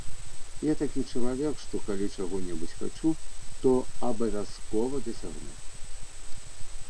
Я такі чалавек, што калі чаго-небудзь хачу, то абавязкова дасягну.